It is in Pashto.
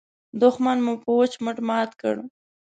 دوښمن مو په وچ مټ مات کړ.